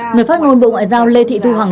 người phát ngôn bộ ngoại giao lê thu hằng